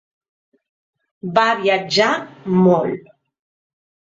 Va viatjar molt.